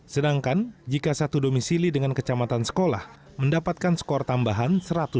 sedangkan jika satu domisili dengan kecamatan sekolah mendapatkan skor tambahan satu ratus dua puluh